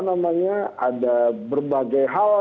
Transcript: ada berbagai hal